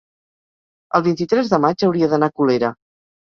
el vint-i-tres de maig hauria d'anar a Colera.